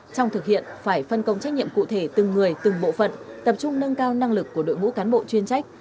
trong thực hiện phải phân công trách nhiệm cụ thể từng người từng bộ phận tập trung nâng cao năng lực của đội ngũ cán bộ chuyên trách